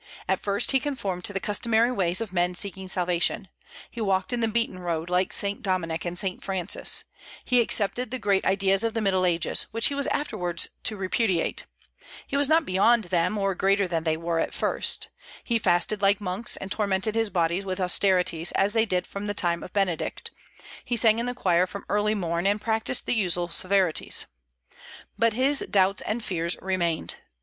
At first he conformed to the customary ways of men seeking salvation. He walked in the beaten road, like Saint Dominic and Saint Francis; he accepted the great ideas of the Middle Ages, which he was afterwards to repudiate, he was not beyond them, or greater than they were, at first; he fasted like monks, and tormented his body with austerities, as they did from the time of Benedict; he sang in the choir from early morn, and practised the usual severities. But his doubts and fears remained.